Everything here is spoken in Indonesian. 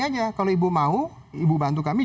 aja kalau ibu mau ibu bantu kami